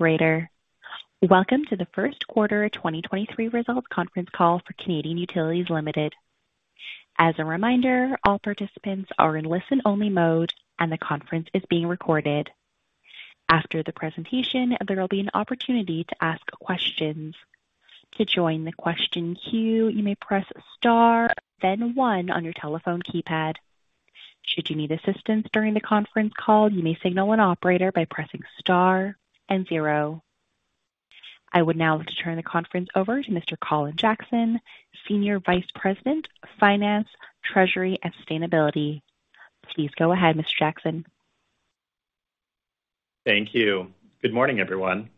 Welcome to the First Quarter 2023 Results Conference Call for Canadian Utilities Limited. As a reminder, all participants are in listen-only mode, and the conference is being recorded. After the presentation, there will be an opportunity to ask questions. To join the question queue, you may press star, then one on your telephone keypad. Should you need assistance during the conference call, you may signal an operator by pressing star and zero. I would now like to turn the conference over to Mr. Colin Jackson, Senior Vice President, Finance, Treasury and Sustainability. Please go ahead, Mr. Jackson. Thank you. Good morning, everyone.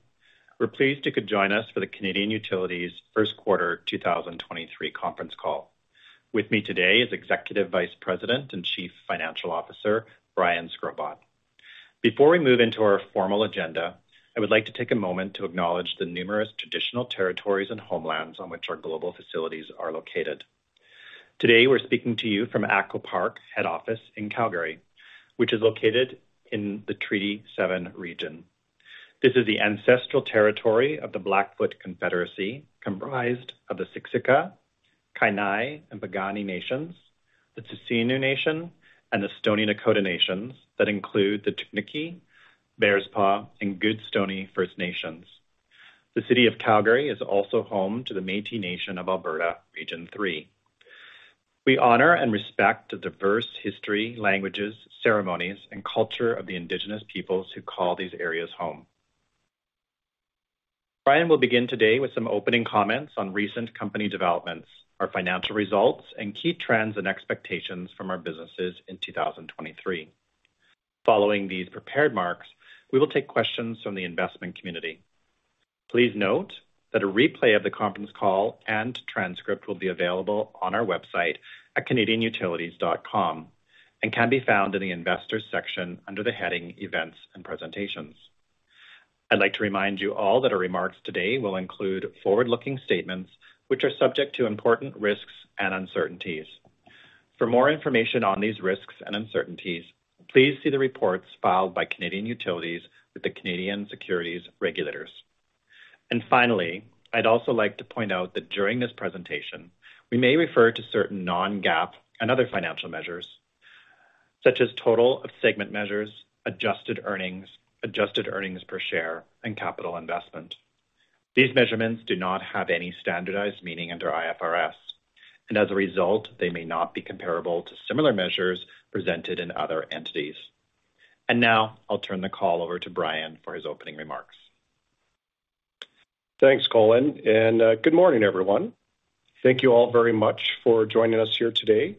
We're pleased you could join us for the Canadian Utilities First Quarter 2023 Conference Call. With me today is Executive Vice President and Chief Financial Officer Brian Shkrobot. Before we move into our formal agenda, I would like to take a moment to acknowledge the numerous traditional territories and homelands on which our global facilities are located. Today, we're speaking to you from ATCO Park Head Office in Calgary, which is located in the Treaty 7 region. This is the ancestral territory of the Blackfoot Confederacy, comprised of the Siksika, Kainai and Piikani nations, the Tsuut'ina Nation, and the Stoney Nakoda nations that include the Chiniki, Bearspaw, and Goodstoney First Nations. The City of Calgary is also home to the Métis Nation of Alberta Region 3. We honor and respect the diverse history, languages, ceremonies, and culture of the indigenous peoples who call these areas home. Brian will begin today with some opening comments on recent company developments, our financial results, and key trends and expectations from our businesses in 2023. Following these prepared remarks, we will take questions from the investment community. Please note that a replay of the conference call and transcript will be available on our website at canadianutilities.com and can be found in the investors section under the heading Events and Presentations. I'd like to remind you all that our remarks today will include forward-looking statements, which are subject to important risks and uncertainties. For more information on these risks and uncertainties, please see the reports filed by Canadian Utilities with the Canadian Securities Regulators. Finally, I'd also like to point out that during this presentation, we may refer to certain non-GAAP and other financial measures such as total of segment measures, adjusted earnings, adjusted earnings per share and capital investment. These measurements do not have any standardized meaning under IFRS and as a result, they may not be comparable to similar measures presented in other entities. Now I'll turn the call over to Brian for his opening remarks. Thanks, Colin. Good morning, everyone. Thank you all very much for joining us here today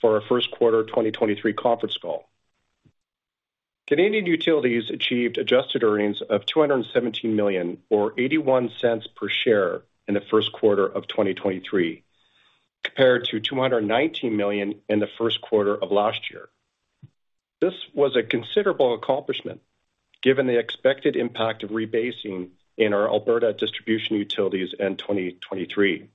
for our First Quarter 2023 Conference Call. Canadian Utilities achieved adjusted earnings of 217 million or 0.81 per share in the first quarter of 2023, compared to 219 million in the first quarter of last year. This was a considerable accomplishment given the expected impact of rebasing in our Alberta distribution utilities in 2023.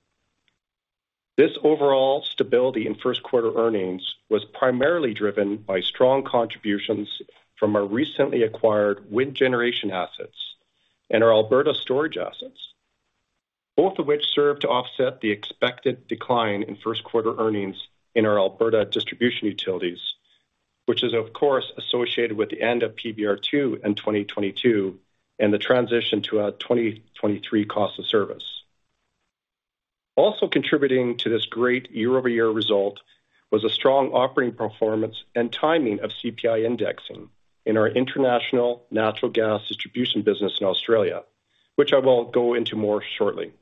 This overall stability in first quarter earnings was primarily driven by strong contributions from our recently acquired wind generation assets and our Alberta storage assets, both of which served to offset the expected decline in first quarter earnings in our Alberta distribution utilities, which is of course associated with the end of PBR2 in 2022 and the transition to a 2023 cost of service. Also contributing to this great year-over-year result was a strong operating performance and timing of CPI indexing in our international natural gas distribution business in Australia, which I will go into more shortly.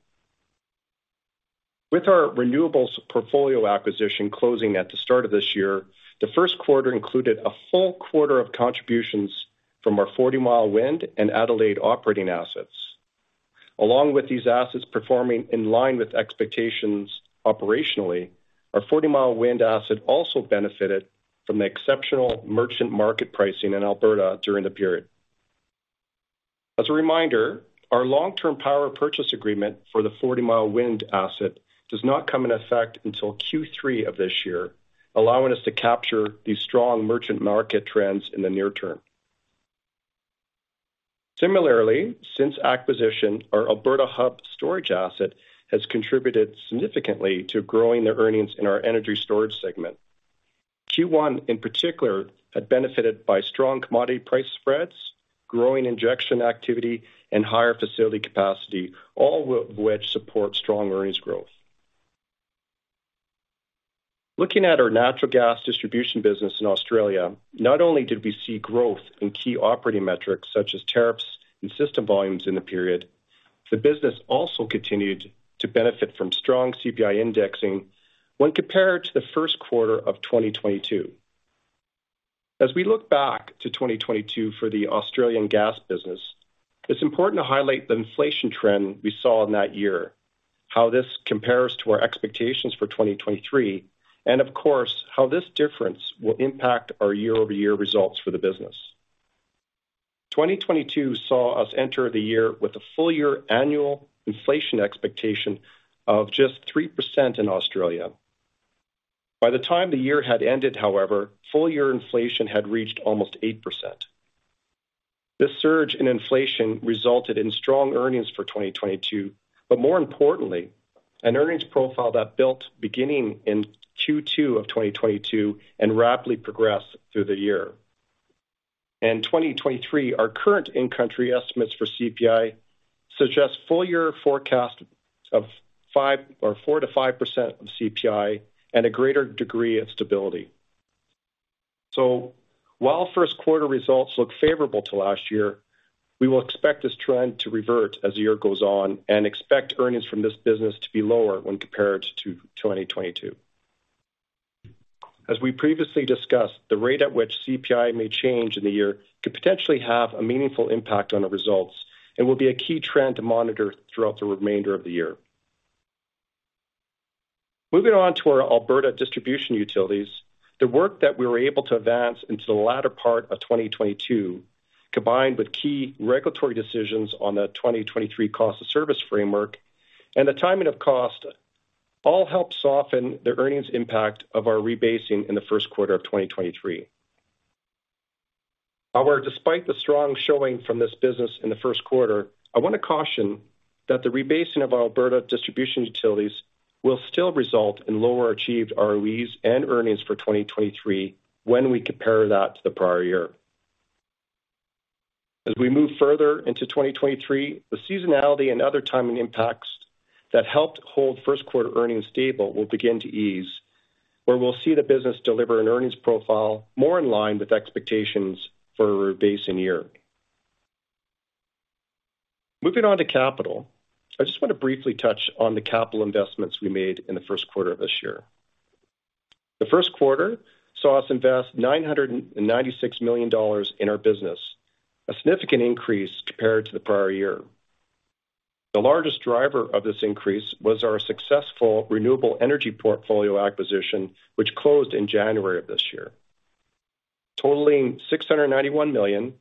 With our renewables portfolio acquisition closing at the start of this year, the first quarter included a full quarter of contributions from our Forty Mile Wind and Adelaide operating assets. Along with these assets performing in line with expectations operationally, our Forty Mile Wind asset also benefited from the exceptional merchant market pricing in Alberta during the period. As a reminder, our long-term power purchase agreement for the Forty Mile Wind asset does not come in effect until Q3 of this year, allowing us to capture these strong merchant market trends in the near term. Similarly, since acquisition, our Alberta Hub storage asset has contributed significantly to growing their earnings in our energy storage segment. Q1, in particular, had benefited by strong commodity price spreads, growing injection activity and higher facility capacity, all of which support strong earnings growth. Looking at our natural gas distribution business in Australia, not only did we see growth in key operating metrics such as tariffs and system volumes in the period, the business also continued to benefit from strong CPI indexing when compared to the first quarter of 2022. As we look back to 2022 for the Australian gas business, it is important to highlight the inflation trend we saw in that year, how this compares to our expectations for 2023, and of course, how this difference will impact our year-over-year results for the business. 2022 saw us enter the year with a full-year annual inflation expectation of just 3% in Australia. By the time the year had ended, however, full-year inflation had reached almost 8%. This surge in inflation resulted in strong earnings for 2022, but more importantly, an earnings profile that built beginning in Q2 of 2022 and rapidly progressed through the year. In 2023, our current in-country estimates for CPI suggest full-year forecast of 5 or 4%-5% of CPI and a greater degree of stability. While first quarter results look favorable to last year, we will expect this trend to revert as the year goes on and expect earnings from this business to be lower when compared to 2022. As we previously discussed, the rate at which CPI may change in the year could potentially have a meaningful impact on the results and will be a key trend to monitor throughout the remainder of the year. Moving on to our Alberta Distribution Utilities. The work that we were able to advance into the latter part of 2022, combined with key regulatory decisions on the 2023 cost of service framework and the timing of cost all help soften the earnings impact of our rebasing in the first quarter of 2023. However, despite the strong showing from this business in the first quarter, I want to caution that the rebasing of Alberta Distribution Utilities will still result in lower achieved ROEs and earnings for 2023 when we compare that to the prior year. As we move further into 2023, the seasonality and other timing impacts that helped hold first quarter earnings stable will begin to ease, where we'll see the business deliver an earnings profile more in line with expectations for a rebasing year. Moving on to capital. I just want to briefly touch on the capital investments we made in the first quarter of this year. The first quarter saw us invest 996 million dollars in our business, a significant increase compared to the prior year. The largest driver of this increase was our successful renewable energy portfolio acquisition, which closed in January of this year. Totaling 691 million,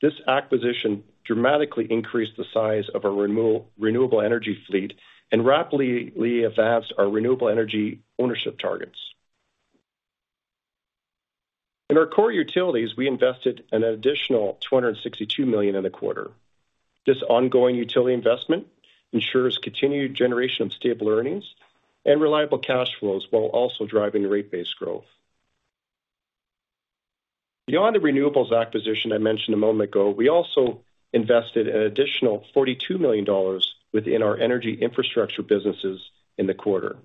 this acquisition dramatically increased the size of our renewable energy fleet and rapidly advanced our renewable energy ownership targets. In our core utilities, we invested an additional 262 million in the quarter. This ongoing utility investment ensures continued generation of stable earnings and reliable cash flows while also driving rate base growth. Beyond the renewables acquisition I mentioned a moment ago, we also invested an additional 42 million dollars within our energy infrastructure businesses in the quarter.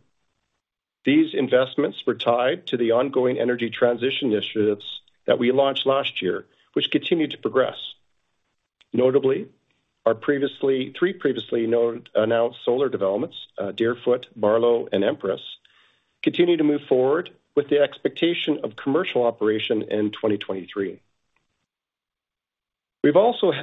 These investments were tied to the ongoing energy transition initiatives that we launched last year, which continue to progress. Notably, our three previously announced solar developments, Deerfoot, Barlow, and Empress, continue to move forward with the expectation of commercial operation in 2023. We've also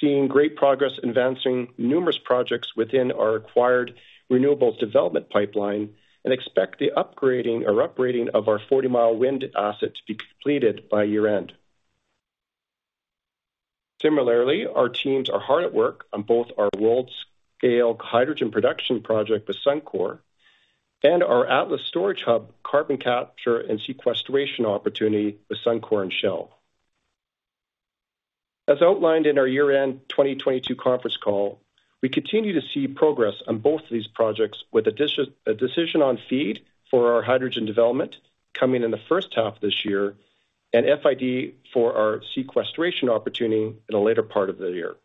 seen great progress advancing numerous projects within our acquired renewables development pipeline and expect the upgrading or uprating of our Forty Mile Wind asset to be completed by year-end. Similarly, our teams are hard at work on both our world-scale hydrogen production project with Suncor and our Atlas Carbon Storage Hub carbon capture and sequestration opportunity with Suncor and Shell. As outlined in our year-end 2022 conference call, we continue to see progress on both of these projects with a decision on FEED for our hydrogen development coming in the first half of this year and FID for our sequestration opportunity in the later part of the year.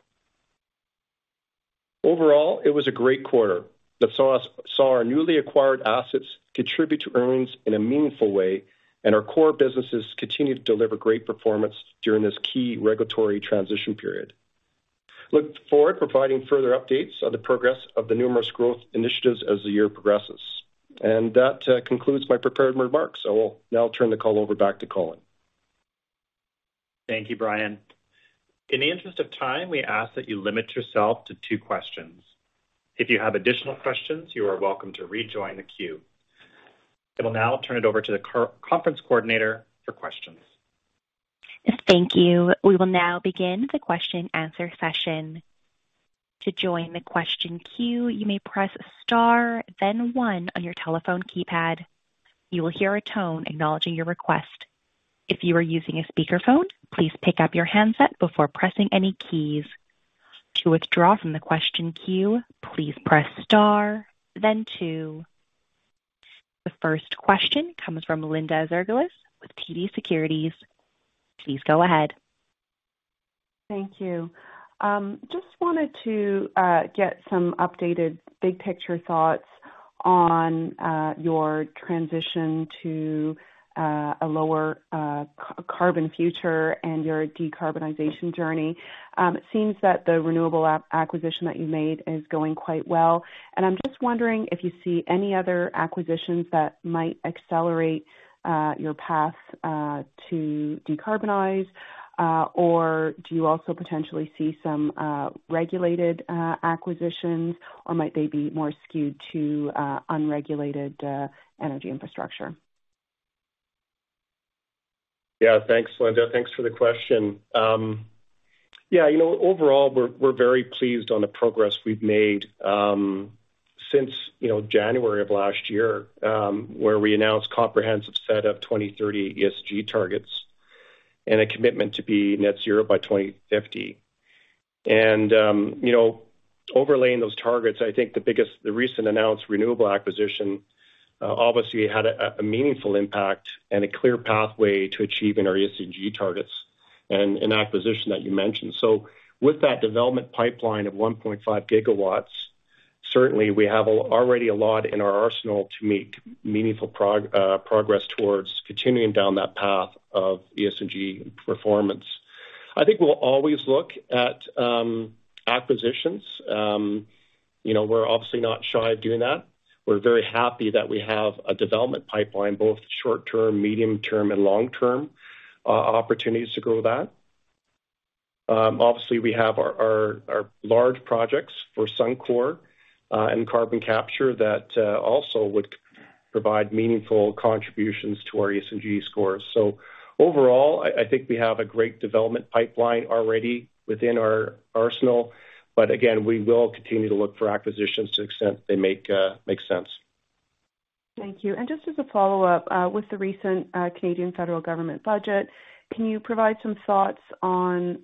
Overall, it was a great quarter that saw our newly acquired assets contribute to earnings in a meaningful way, and our core businesses continue to deliver great performance during this key regulatory transition period. Look forward to providing further updates on the progress of the numerous growth initiatives as the year progresses. That concludes my prepared remarks. I will now turn the call over back to Colin. Thank you, Brian. In the interest of time, we ask that you limit yourself to two questions. If you have additional questions, you are welcome to rejoin the queue. I will now turn it over to the conference coordinator for questions. Thank you. We will now begin the question-answer session. To join the question queue, you may press star then one on your telephone keypad. You will hear a tone acknowledging your request. If you are using a speakerphone, please pick up your handset before pressing any keys. To withdraw from the question queue, please press star then two. The first question comes from Linda Ezergailis with TD Securities. Please go ahead. Thank you. Just wanted to get some updated big-picture thoughts on your transition to a lower carbon future and your decarbonization journey. It seems that the renewable acquisition that you made is going quite well, and I'm just wondering if you see any other acquisitions that might accelerate your path to decarbonize. Do you also potentially see some regulated acquisitions, or might they be more skewed to unregulated energy infrastructure? Thanks, Linda. Thanks for the question. Overall, we're very pleased on the progress we've made, since, January of last year, where we announced comprehensive set of 2030 ESG targets and a commitment to be net zero by 2050. Overlaying those targets, the recently announced renewable acquisition, obviously had a meaningful impact and a clear pathway to achieving our ESG targets and an acquisition that you mentioned. With that development pipeline of 1.5 GW, certainly we have already a lot in our arsenal to make meaningful progress towards continuing down that path of ESG performance. I think we'll always look at acquisitions. We're obviously not shy of doing that. We're very happy that we have a development pipeline, both short term, medium term, and long term, opportunities to grow that. Obviously we have our large projects for Suncor and carbon capture that also would provide meaningful contributions to our ESG scores. Overall, I think we have a great development pipeline already within our arsenal. Again, we will continue to look for acquisitions to the extent they make sense. Thank you. Just as a follow-up, with the recent Canadian federal government budget, can you provide some thoughts on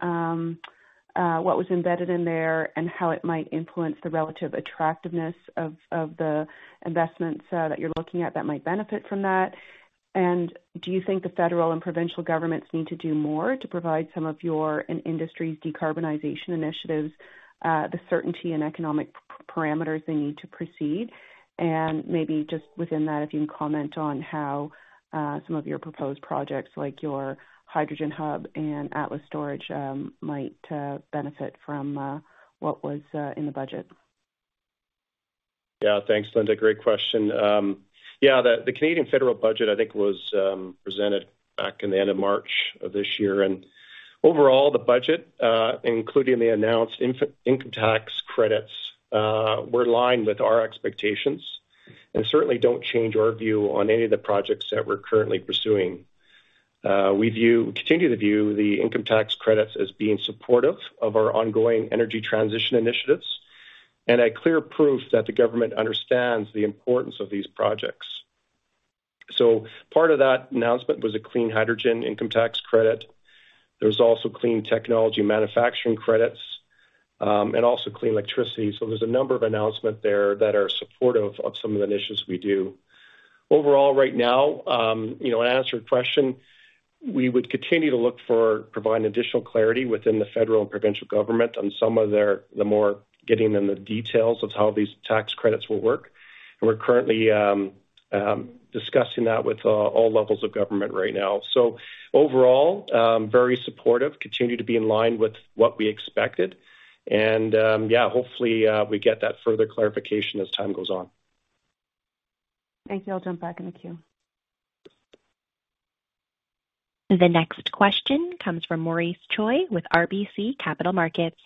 what was embedded in there and how it might influence the relative attractiveness of the investments that you're looking at that might benefit from that? Do you think the federal and provincial governments need to do more to provide some of your and industry's decarbonization initiatives, the certainty and economic parameters they need to proceed? Maybe just within that, if you can comment on how some of your proposed projects, like your hydrogen hub and Atlas storage, might benefit from what was in the budget. Thanks, Linda. Great question. The Canadian federal budget, I think was presented back in the end of March of this year. Overall, the budget, including the announced income tax credits, were in line with our expectations and certainly don't change our view on any of the projects that we're currently pursuing. We continue to view the income tax credits as being supportive of our ongoing energy transition initiatives and a clear proof that the government understands the importance of these projects. Part of that announcement was a clean hydrogen income tax credit. There was also clean technology manufacturing credits and also clean electricity. There's a number of announcement there that are supportive of some of the initiatives we do. Overall, right now to answer your question, we would continue to look for providing additional clarity within the federal and provincial government on some of the more getting in the details of how these tax credits will work. We're currently discussing that with all levels of government right now. Overall, very supportive, continue to be in line with what we expected and hopefully, we get that further clarification as time goes on. Thank you. I'll jump back in the queue. The next question comes from Maurice Choy with RBC Capital Markets.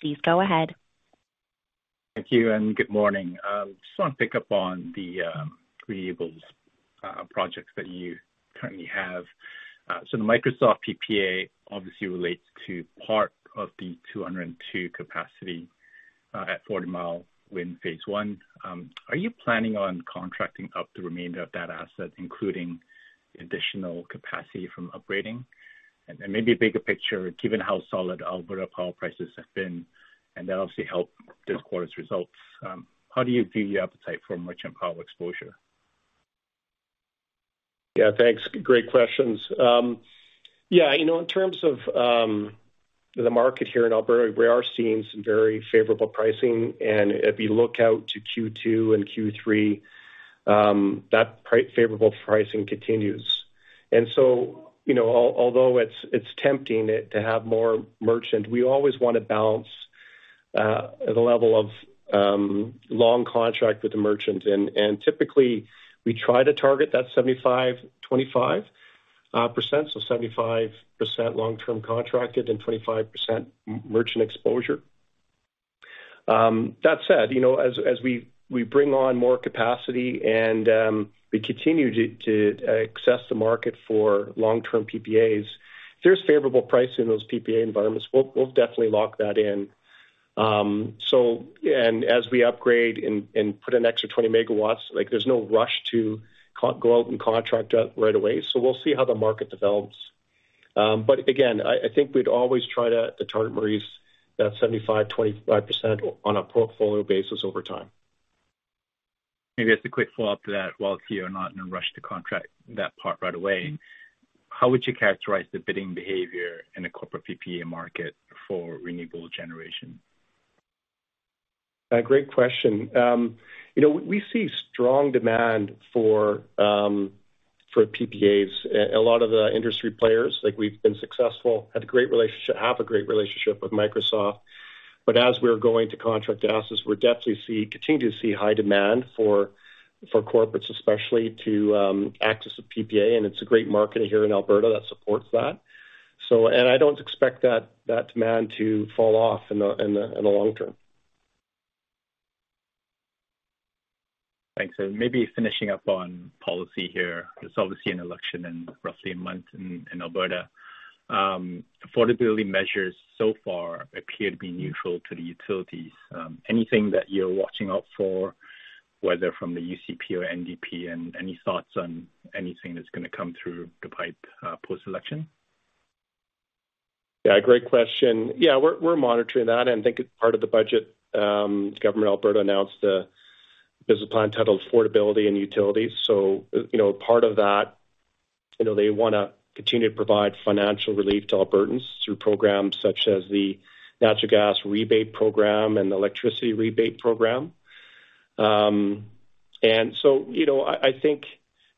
Please go ahead. Thank you. Good morning. Just wanna pick up on the renewables projects that you currently have. The Microsoft PPA obviously relates to part of the 202 capacity at Forty Mile Wind phase one. Are you planning on contracting up the remainder of that asset, including additional capacity from upgrading? Maybe a bigger picture, given how solid Alberta power prices have been, and that obviously helped this quarter's results, how do you view the appetite for merchant power exposure? Thanks. Great questions. In terms of the market here in Alberta, we are seeing some very favorable pricing. If you look out to Q2 and Q3, that favorable pricing continues. Although it's tempting to have more merchant, we always wanna balance the level of long contract with the merchant. Typically, we try to target that 75% and 25%, so 75% long-term contracted and 25% merchant exposure. That said, as we bring on more capacity and we continue to access the market for long-term PPAs, if there's favorable pricing in those PPA environments, we'll definitely lock that in. As we upgrade and put an extra 20 MW, there's no rush to go out and contract out right away. We'll see how the market develops. Again, I think we'd always try to target, Maurice, that 75%/25% on a portfolio basis over time. Maybe as a quick follow-up to that, while it's here, not in a rush to contract that part right away, how would you characterize the bidding behavior in the corporate PPA market for renewable generation? Great question. you know, we see strong demand for PPAs. A lot of the industry players, like we've been successful, have a great relationship with Microsoft. As we're going to contract assets, we definitely continue to see high demand for corporates especially to access a PPA, and it's a great market here in Alberta that supports that. I don't expect that demand to fall off in the long term. Thanks. maybe finishing up on policy here, there's obviously an election in roughly a month in Alberta. affordability measures so far appear to be neutral to the utilities. anything that you're watching out for, whether from the UCP or NDP? any thoughts on anything that's gonna come through the pipe, post-election? Great question. We're monitoring that, and I think it's part of the budget, government of Alberta announced, there's a plan titled Affordability and Utilities. You know, part of that, you know, they wanna continue to provide financial relief to Albertans through programs such as the Natural Gas Rebate Program and Electricity Rebate Program. You know, I think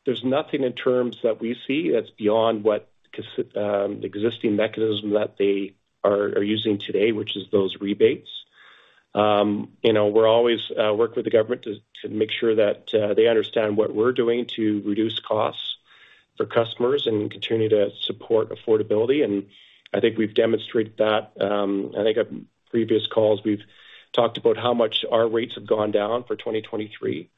there's nothing in terms that we see that's beyond what the existing mechanism that they are using today, which is those rebates. You know, we're always working with the government to make sure that they understand what we're doing to reduce costs for customers and continue to support affordability. I think we've demonstrated that. I think at previous calls, we've talked about how much our rates have gone down for 2023,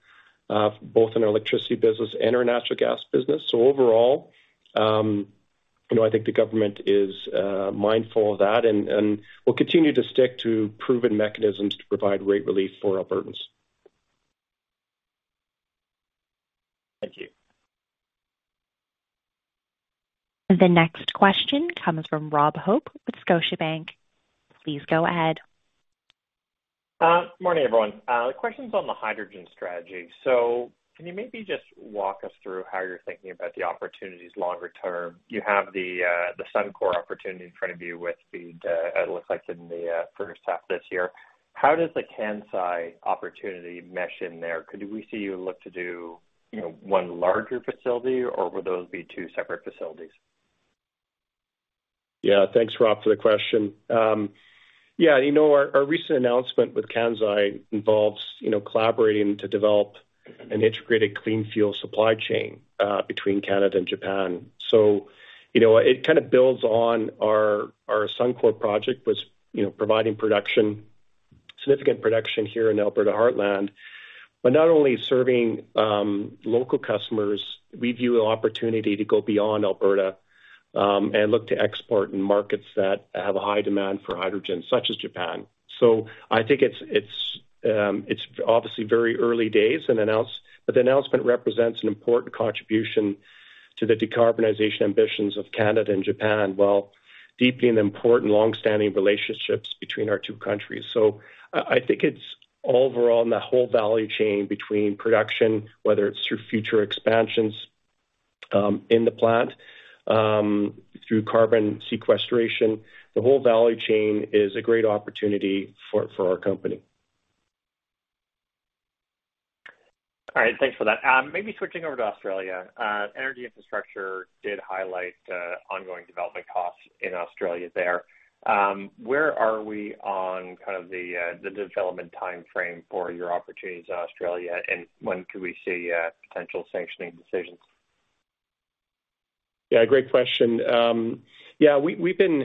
both in our electricity business and our natural gas business. Overall, you know, I think the government is mindful of that. We'll continue to stick to proven mechanisms to provide rate relief for Albertans. Thank you. The next question comes from Rob Hope with Scotiabank. Please go ahead. Morning, everyone. The question's on the hydrogen strategy. Can you maybe just walk us through how you're thinking about the opportunities longer term? You have the Suncor opportunity in front of you with it looks like in the first half of this year. How does the Kansai opportunity mesh in there? Could we see you look to do, you know, one larger facility or will those be two separate facilities? Thanks, Rob, for the question. Our recent announcement with Kansai involves collaborating to develop an integrated clean fuel supply chain between Canada and Japan. It builds on our Suncor project with providing production, significant production here in Alberta heartland. Not only serving local customers, we view an opportunity to go beyond Alberta and look to export in markets that have a high demand for hydrogen, such as Japan. I think it's obviously very early days, but the announcement represents an important contribution to the decarbonization ambitions of Canada and Japan, while deepening important long-standing relationships between our two countries. I think it's overall in the whole value chain between production, whether it's through future expansions in the plant, through carbon sequestration. The whole value chain is a great opportunity for our company. All right. Thanks for that. Maybe switching over to Australia. Energy infrastructure did highlight ongoing development costs in Australia there. Where are we on kind of the development timeframe for your opportunities in Australia, and when could we see potential sanctioning decisions? Great question. We've been,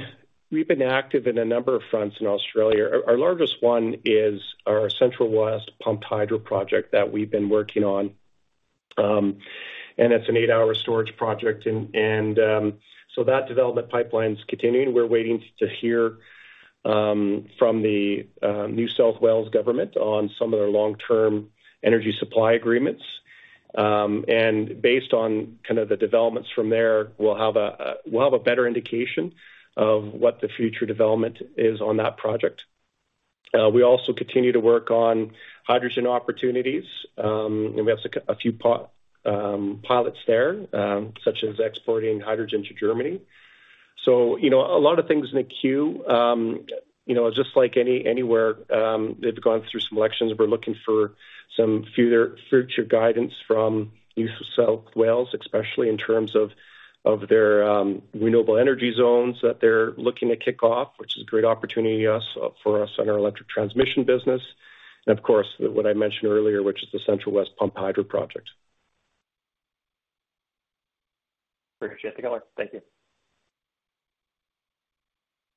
we've been active in a number of fronts in Australia. Our, our largest one is our Central West Pumped Hydro Project that we've been working on, and it's an 8-hour storage project. That development pipeline's continuing. We're waiting to hear from the New South Wales government on some of their long-term energy supply agreements. Based on developments from there, we'll have a better indication of what the future development is on that project. We also continue to work on hydrogen opportunities, and we have a few pilots there, such as exporting hydrogen to Germany. You know, a lot of things in the queue. You know, just like anywhere, they've gone through some elections. We're looking for some future guidance from New South Wales, especially in terms of their renewable energy zones that they're looking to kick off, which is a great opportunity, yes, for us in our electric transmission business. Of course, what I mentioned earlier, which is the Central West Pumped Hydro Project. Appreciate the color. Thank you.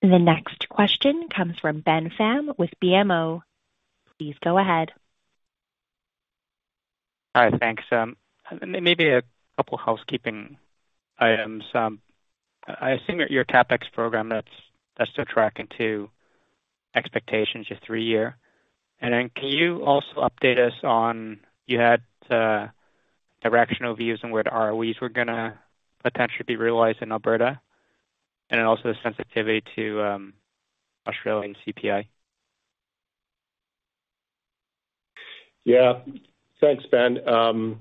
The next question comes from Ben Pham with BMO. Please go ahead. All right. Thanks. Maybe a couple housekeeping items. I assume that your CapEx program, that's still tracking to expectations, your 3-year. Can you also update us on, you had directional views on where the ROEs were gonna potentially be realized in Alberta and also the sensitivity to Australian CPI? Thanks, Ben. To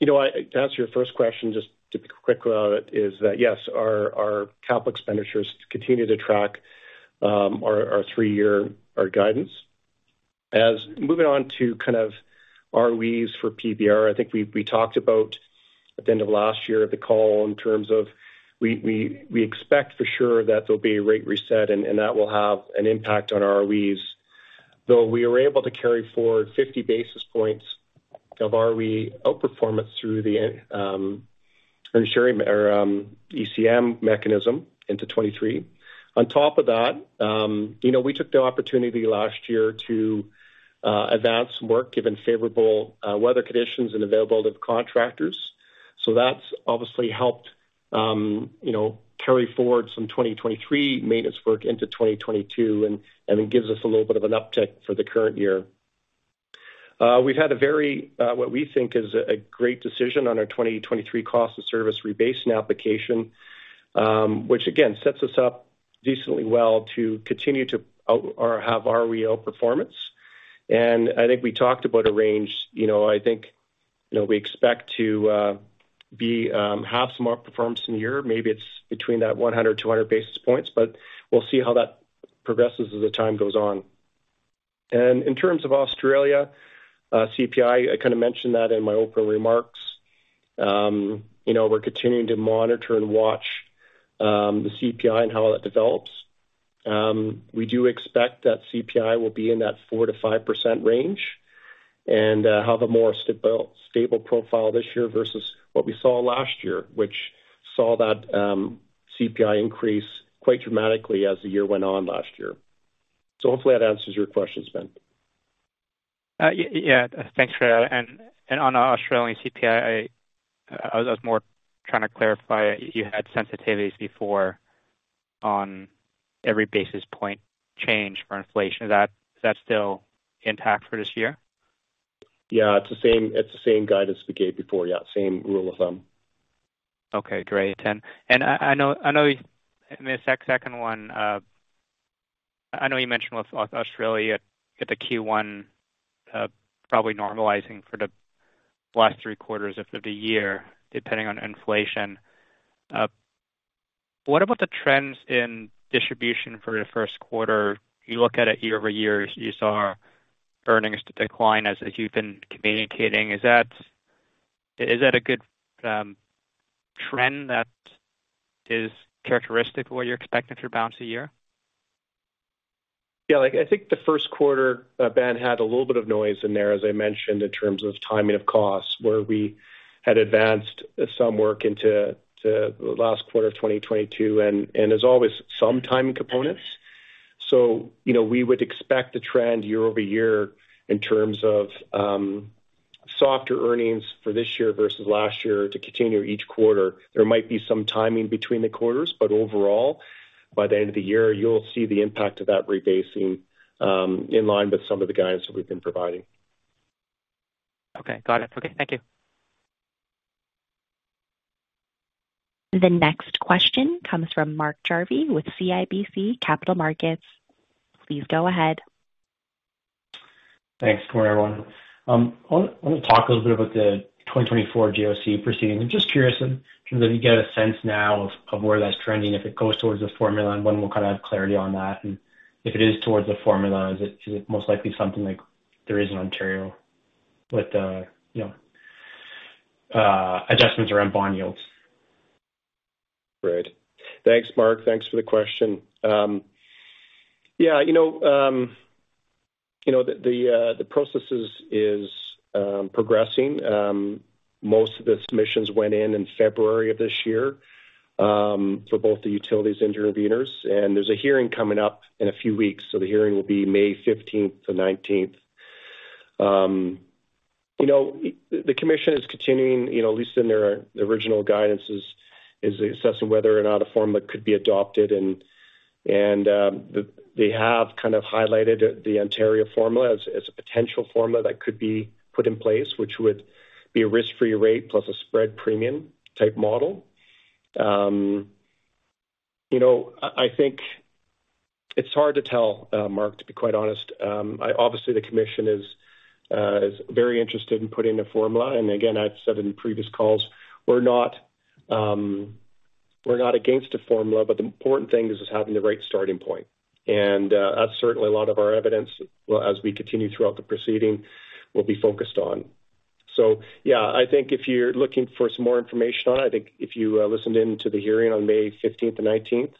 answer your first question, just to be quick about it, is that, yes, our capital expenditures continue to track our three-year guidance. Moving on to kind of ROEs for PBR, I think we talked about at the end of last year at the call in terms of we expect for sure that there'll be a rate reset and that will have an impact on ROEs. We were able to carry forward 50 basis points of ROE outperformance through the end, insuring our ECM mechanism into 2023. On top of that, you know, we took the opportunity last year to advance work given favorable weather conditions and availability of contractors. That's obviously helped, you know, carry forward some 2023 maintenance work into 2022, and it gives us a little bit of an uptick for the current year. We've had a very, what we think is a great decision on our 2023 cost of service rebasing application, which again sets us up decently well to continue to out or have our real performance. I think we talked about a range, you know, I think, you know, we expect to be have some more performance in a year. Maybe it's between that 100-200 basis points, but we'll see how that progresses as the time goes on. In terms of Australia, CPI, I kind of mentioned that in my opening remarks. You know, we're continuing to monitor and watch, the CPI and how that develops. We do expect that CPI will be in that 4%-5% range and have a more stable profile this year versus what we saw last year, which saw that, CPI increase quite dramatically as the year went on last year. Hopefully that answers your questions, Ben. Thanks for that. On Australian CPI, I was more trying to clarify. You had sensitivities before on every basis point change for inflation. Is that still intact for this year? It's the same guidance we gave before. Same rule of thumb. Okay, great. In the second one, I know you mentioned with Australia at the Q1, probably normalizing for the last three quarters of the year, depending on inflation. What about the trends in distribution for the first quarter? You look at it year-over-year, you saw earnings decline as you've been communicating. Is that a good trend that is characteristic of what you're expecting through the balance of the year? Like I think the first quarter, Ben, had a little bit of noise in there, as I mentioned, in terms of timing of costs, where we had advanced some work to the last quarter of 2022 and, as always, some timing components. You know, we would expect a trend year-over-year in terms of softer earnings for this year versus last year to continue each quarter. There might be some timing between the quarters, but overall, by the end of the year, you'll see the impact of that rebasing, in line with some of the guidance that we've been providing. Okay. Got it. Okay. Thank you. The next question comes from Mark Jarvi with CIBC Capital Markets. Please go ahead. Thanks. Good morning, everyone. I wanna talk a little bit about the 2024 GCOC proceeding. I'm just curious in terms of, do you get a sense now of where that's trending, if it goes towards the formula and when we'll kind of have clarity on that? If it is towards the formula, is it most likely something like there is in Ontario with, you know, adjustments around bond yields? Great. Thanks, Mark. Thanks for the question. The processes is progressing. Most of the submissions went in in February of this year, for both the utilities and intervenors. There's a hearing coming up in a few weeks. The hearing will be May 15th to 19th. You know, the Commission is continuing, you know, at least in their original guidances, is assessing whether or not a formula could be adopted and they have kind of highlighted the Ontario formula as a potential formula that could be put in place, which would be a risk-free rate plus a spread premium type model. You know, I think it's hard to tell, Mark, to be quite honest. Obviously, the Commission is very interested in putting a formula. Again, I've said in previous calls, we're not, we're not against a formula, but the important thing is having the right starting point. That's certainly a lot of our evidence, well, as we continue throughout the proceeding, will be focused on. If you're looking for some more information on it, I think if you listened in to the hearing on May 15th to 19th,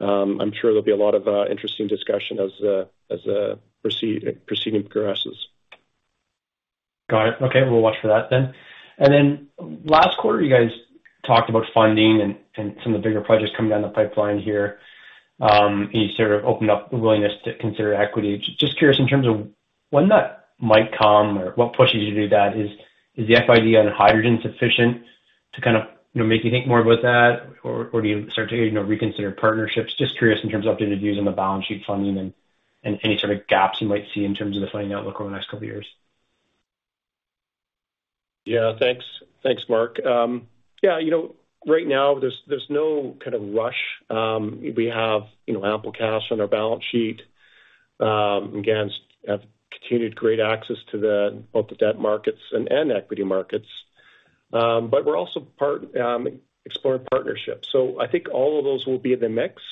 I'm sure there'll be a lot of interesting discussion as proceeding progresses. Got it. Okay. We'll watch for that then. Last quarter, you guys talked about funding and some of the bigger projects coming down the pipeline here. You sort of opened up the willingness to consider equity. Just curious in terms of when that might come or what pushes you to do that. Is the FID on hydrogen sufficient to kind of, you know, make you think more about that? Or do you start to, you know, reconsider partnerships? Just curious in terms of updated views on the balance sheet funding and any sort of gaps you might see in terms of the funding outlook over the next couple of years. Thanks. Thanks, Mark. Right now there's no kind of rush. We have, you know, ample cash on our balance sheet. Again, have continued great access to both the debt markets and equity markets. But we're also exploring partnerships. I think all of those will be in the mix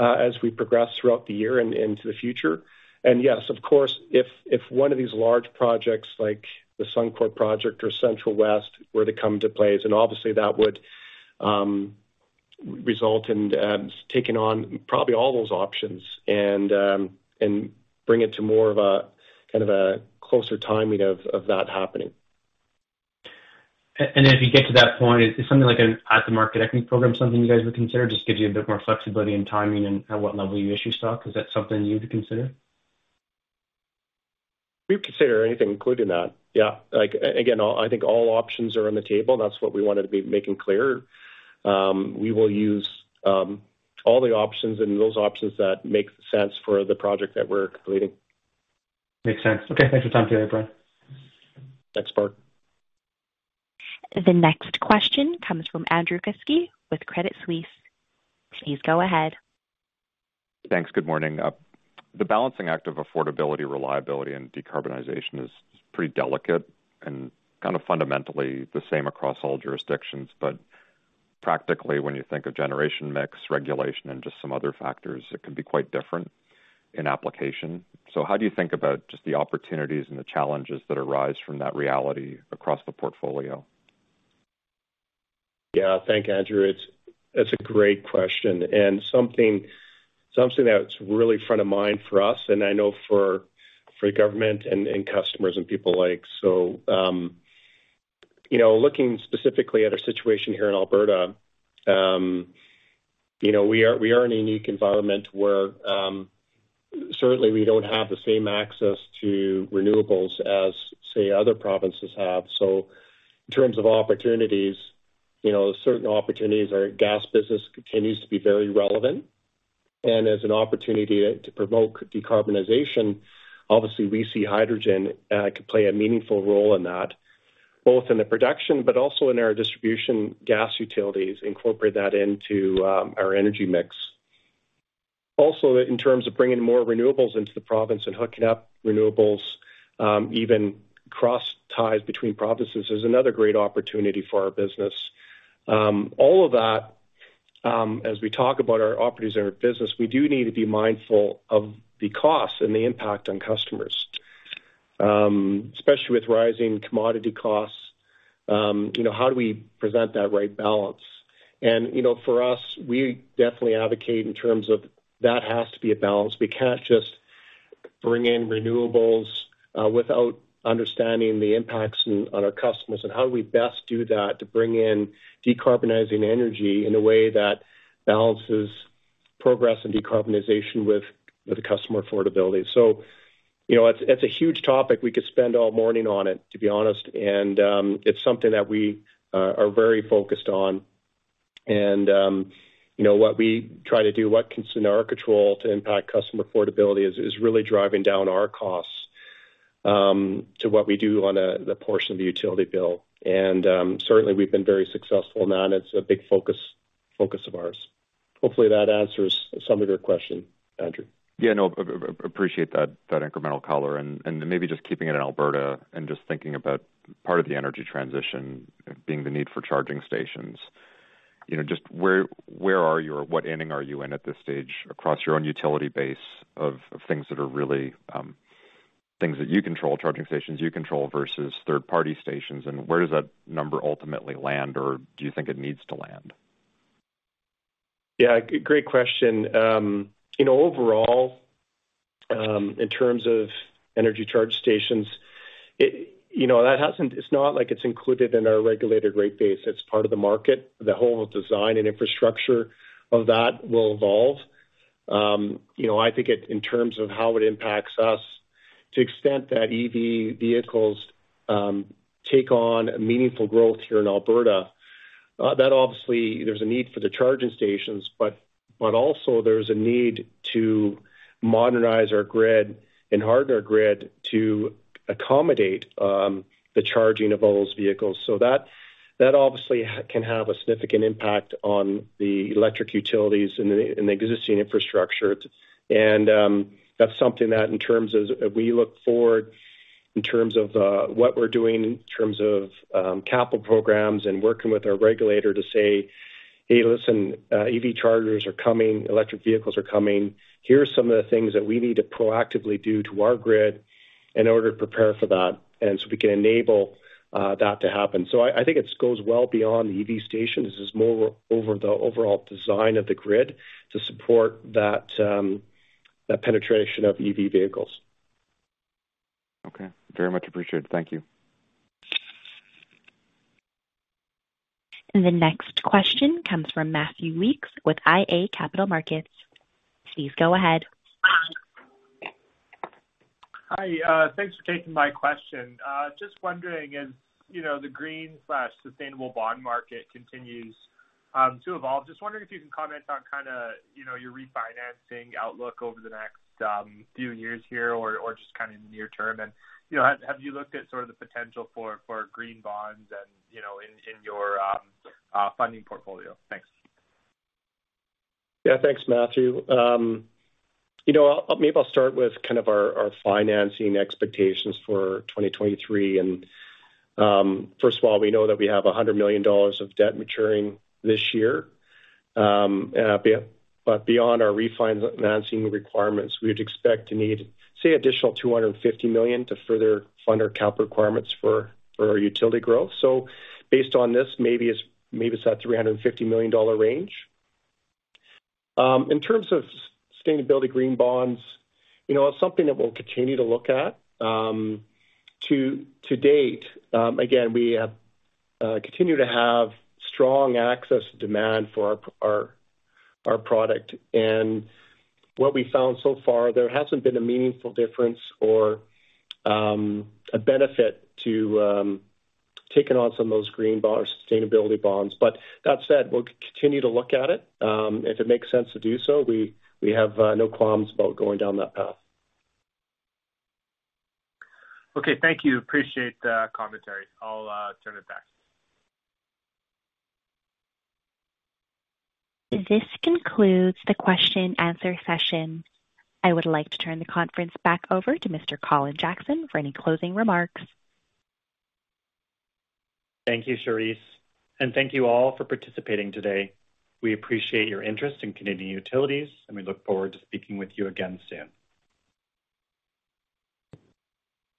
as we progress throughout the year and into the future. Yes, of course, if one of these large projects like the Suncor project or Central West were to come to plays and obviously that would Result in taking on probably all those options and bring it to more of a kind of a closer timing of that happening. If you get to that point, is something like an at-the-market equity program something you guys would consider, just gives you a bit more flexibility in timing and at what level you issue stock? Is that something you would consider? We would consider anything, including that. Like, again, I think all options are on the table. That's what we wanted to be making clear. We will use all the options and those options that make sense for the project that we're completing. Makes sense. Okay, thanks for the time today, Brian. Thanks, Mark. The next question comes from Andrew Kuske with Credit Suisse. Please go ahead. Thanks. Good morning. The balancing act of affordability, reliability, and decarbonization is pretty delicate and kind of fundamentally the same across all jurisdictions. Practically, when you think of generation mix regulation and just some other factors, it can be quite different in application. How do you think about just the opportunities and the challenges that arise from that reality across the portfolio? Thank you, Andrew. It's a great question and something that's really front of mind for us and I know for the government and customers and people alike. You know, looking specifically at our situation here in Alberta, you know, we are in a unique environment where certainly we don't have the same access to renewables as, say, other provinces have. In terms of opportunities, you know, certain opportunities, our gas business continues to be very relevant. As an opportunity to provoke decarbonization, obviously we see hydrogen could play a meaningful role in that, both in the production but also in our distribution gas utilities incorporate that into our energy mix. In terms of bringing more renewables into the province and hooking up renewables, even cross ties between provinces is another great opportunity for our business. All of that, as we talk about our opportunities in our business, we do need to be mindful of the cost and the impact on customers. Especially with rising commodity costs, you know, how do we present that right balance? You know, for us, we definitely advocate in terms of that has to be a balance. We can't just bring in renewables without understanding the impacts on our customers and how do we best do that to bring in decarbonizing energy in a way that balances progress and decarbonization with customer affordability. You know, it's a huge topic. We could spend all morning on it, to be honest. It's something that we are very focused on. you know, what we try to do, what's in our control to impact customer affordability is really driving down our costs to what we do on a, the portion of the utility bill. certainly we've been very successful in that. It's a big focus of ours. Hopefully, that answers some of your question, Andrew. No, appreciate that incremental color. Maybe just keeping it in Alberta and just thinking about part of the energy transition being the need for charging stations. You know, just where are you or what inning are you in at this stage across your own utility base of things that are really things that you control, charging stations you control versus third-party stations, where does that number ultimately land or do you think it needs to land? Great question. Overall, in terms of energy charge stations, it's not like it's included in our regulated rate base. It's part of the market. The whole design and infrastructure of that will evolve. I think it, in terms of how it impacts us, to extent that EV vehicles take on meaningful growth here in Alberta, that obviously there's a need for the charging stations. Also there's a need to modernize our grid and harden our grid to accommodate the charging of all those vehicles. That, that obviously can have a significant impact on the electric utilities and the existing infrastructure. That's something that in terms of we look forward in terms of what we're doing in terms of capital programs and working with our regulator to say, "Hey, listen, EV chargers are coming, electric vehicles are coming. Here are some of the things that we need to proactively do to our grid in order to prepare for that, and so we can enable that to happen." I think it goes well beyond the EV station. This is more over the overall design of the grid to support that penetration of EV vehicles. Okay. Very much appreciated. Thank you. The next question comes from Matthew Weekes with iA Capital Markets. Please go ahead. Hi. Thanks for taking my question. Just wondering if the green/sustainable bond market continues to evolve. Just wondering if you can comment on your refinancing outlook over the next few years here or just kind of near term. Have you looked at sort of the potential for green bonds and in your funding portfolio? Thanks. Thanks, Matthew. Maybe I'll start with kind of our financing expectations for 2023. First of all, we know that we have 100 million dollars of debt maturing this year. But beyond our refinancing requirements, we'd expect to need, say, additional 250 million to further fund our cap requirements for our utility growth. Based on this, maybe it's that 350 million dollar range. In terms of sustainability green bonds it's something that we'll continue to look at. To date, again, we have continue to have strong access to demand for our product. What we found so far, there hasn't been a meaningful difference or a benefit to taking on some of those green bonds, sustainability bonds. That said, we'll continue to look at it. If it makes sense to do so, we have no qualms about going down that path. Okay. Thank you. Appreciate the commentary. I'll turn it back. This concludes the question and answer session. I would like to turn the conference back over to Mr. Colin Jackson for any closing remarks. Thank you, Charisse. Thank you all for participating today. We appreciate your interest in Canadian Utilities, and we look forward to speaking with you again soon.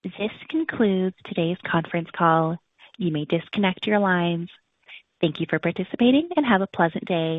This concludes today's conference call. You may disconnect your lines. Thank you for participating, and have a pleasant day.